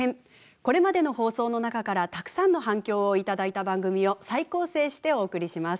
これまでの放送の中からたくさんの反響を頂いた番組を再構成してお送りします。